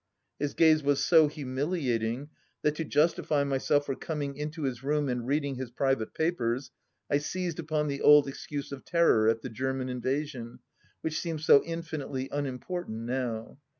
His gaze was so humiliating, that to justify myself for coming into his room and reading his private papers I seized upon the old excuse of terror at the German Invasion, which seemed so infinitely unimportant, now.